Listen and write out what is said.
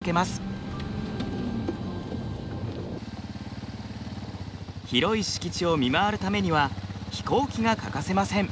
広い敷地を見回るためには飛行機が欠かせません。